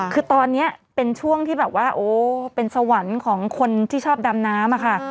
คือตอนนี้เป็นช่วงที่แบบว่าโอ้เป็นสวรรค์ของคนที่ชอบดำน้ำอะค่ะ